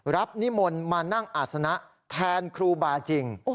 นิมนต์มานั่งอาศนะแทนครูบาจริง